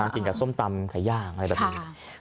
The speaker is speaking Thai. กินกับส้มตำไข่ย่างอะไรแบบนี้